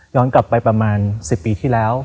กลับไปประมาณ๑๐ปีที่แล้ว